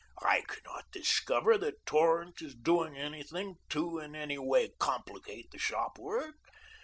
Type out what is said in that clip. "I cannot discover that Torrance is doing anything to in any way complicate the shop work.